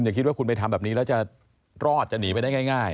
คิดว่าคุณไปทำแบบนี้แล้วจะรอดจะหนีไปได้ง่าย